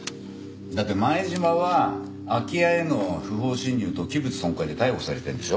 だって前島は空き家への不法侵入と器物損壊で逮捕されてるんでしょ？